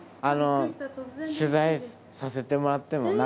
取材させてもらっても。